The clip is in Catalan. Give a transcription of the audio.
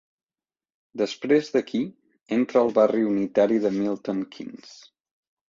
Després d'aquí, entra al barri unitari de Milton Keynes.